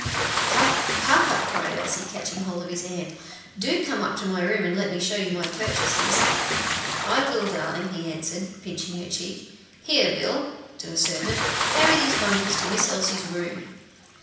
"Papa, papa," cried Elsie, catching hold of his hand, "do come with me to my room, and let me show you my purchases." "I will, darling," he answered, pinching her cheek, "Here, Bill" to a servant "carry these bundles to Miss Elsie's room."